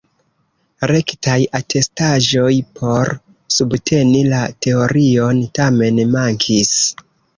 Rektaj atestaĵoj por subteni la teorion tamen mankis.